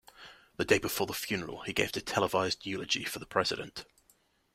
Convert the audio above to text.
The day before the funeral, he gave a televised eulogy for the President.